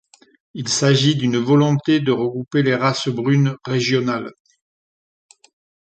Il s'agit d'une volonté de regrouper les races brunes régionales.